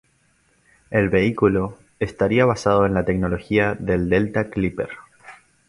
El vehículo estaría basado en la tecnología del Delta Clipper.